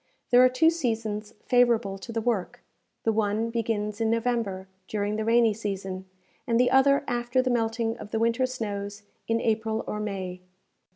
There are two seasons favorable to the work; the one begins in November, during the rainy season, and the other after the melting of the winter snows in April or May.